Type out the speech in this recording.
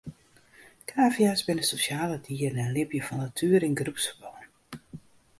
Kavia's binne sosjale dieren en libje fan natuere yn groepsferbân.